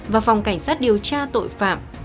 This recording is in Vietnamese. và phòng cảnh sát điều tra tội phạm